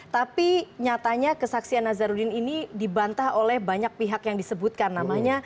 tapi nyatanya kesaksian nazarudin ini dibantah oleh banyak pihak yang disebutkan namanya